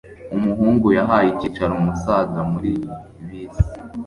umuhungu yahaye icyicaro umusaza muri bisi